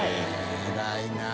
偉いなぁ。